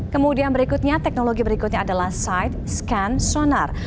kemudian berikutnya teknologi berikutnya adalah side scan sonar